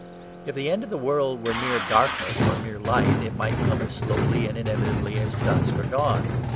If the end of the world were mere darkness or mere light it might come as slowly and inevitably as dusk or dawn.